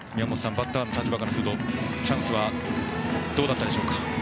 バッターの立場からするとチャンスは、どうでしたか。